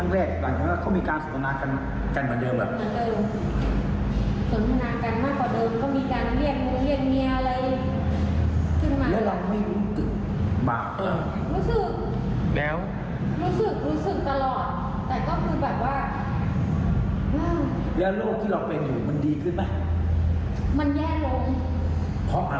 รู้สึกรู้สึกตลอดแต่ก็คือแบบว่า